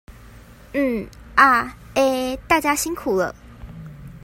嗯、啊、欸。大家辛苦了